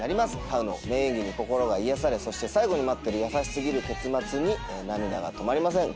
ハウの名演技に心が癒やされ最後に待つ優し過ぎる結末に涙が止まりません。